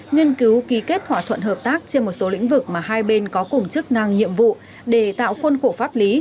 nghiên cứu ký kết thỏa thuận hợp tác trên một số lĩnh vực mà hai bên có cùng chức năng nhiệm vụ để tạo khuôn khổ pháp lý